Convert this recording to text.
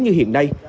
như hiện nay